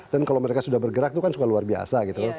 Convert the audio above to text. dan kalau mereka sudah bergerak itu kan sudah luar biasa gitu